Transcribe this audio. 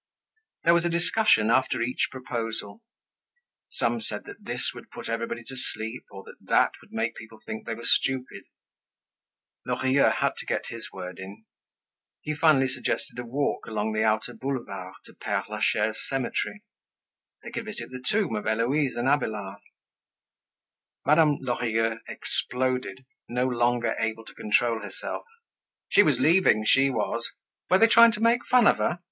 There was a discussion after each proposal. Some said that this would put everybody to sleep or that that would make people think they were stupid. Lorilleux had to get his word in. He finally suggested a walk along the outer Boulevards to Pere Lachaise cemetery. They could visit the tomb of Heloise and Abelard. Madame Lorilleux exploded, no longer able to control herself. She was leaving, she was. Were they trying to make fun of her?